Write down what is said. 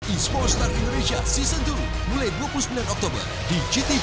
ismo star indonesia season dua mulai dua puluh sembilan oktober di gtv